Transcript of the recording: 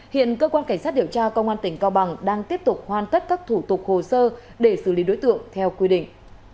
hiện cơ quan cảnh sát điều tra công an tỉnh cao bằng đang tiếp tục hoàn tất các thủ tục hồ sơ để xử lý đối tượng theo quy định